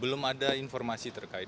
belum ada informasi terkait